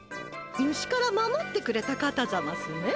虫から守ってくれた方ざますね。